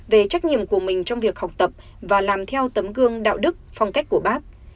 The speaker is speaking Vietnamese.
về trách nhiệm của mình trong việc học tập và làm theo tấm gương đạo đức phong cách của bác